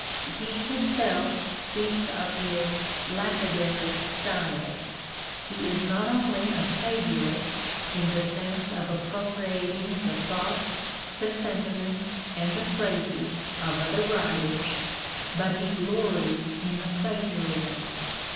He himself speaks of his " lapidary " style. He is not only a plagiarist in the sense of appropriating the thoughts, the sentiments, and the phrases of other writers, but he glories in the plagiarism.